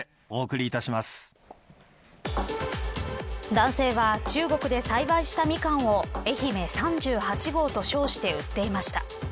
男性は中国で栽培したミカンを愛媛３８号と称して売っていました。